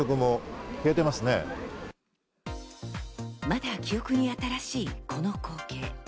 まだ記憶に新しいこの光景。